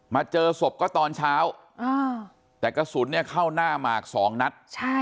มาเจอศพก็ตอนเช้าแต่กระสุนเข้าหน้าหมาก๒นัท